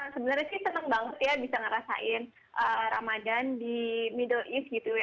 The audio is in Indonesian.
sebenarnya sih seneng banget ya bisa ngerasain ramadan di middle east gitu ya